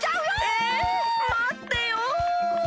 えまってよ！